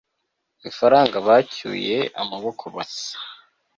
ifaranga bacyuye amaboko masa